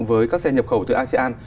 với các xe nhập khẩu từ asean